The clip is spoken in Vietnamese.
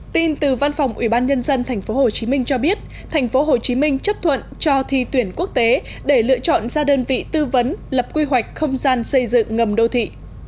tin từ văn phòng ủy ban nhân dân tp hcm cho biết tp hcm chấp thuận cho thi tuyển quốc tế để lựa chọn ra đơn vị tư vấn lập quy hoạch không gian xây dựng ngầm đô thị